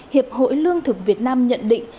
hiệp hội lương thực việt nam nhận định